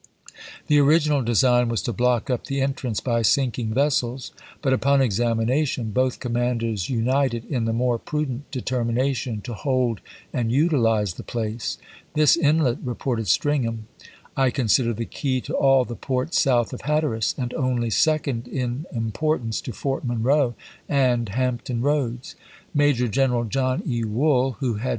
The original design was to block up the entrance by sinking vessels, but upon examination both commanders united in the more prudent deter mination to hold and utilize the place. "This gtringham inlet," reported Stringham, "I consider the key to sepK/ilei. all the ports south of Hatteras, and only second an<fi)ocu in importance to Fort Monroe and Hampton isei ei Part III. Eoads." Major General John E. Wool, who had p ss.